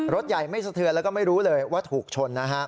รถใหญ่ไม่เสนเธอและก็ไม่รู้ที่ถูกชน